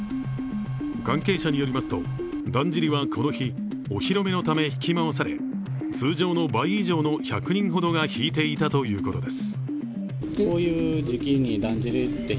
関係者によりますと、だんじりはこの日、お披露目のため引き回され通常の倍以上の１００人ほどが引いていたということです。